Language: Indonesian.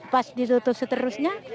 pas ditutup seterusnya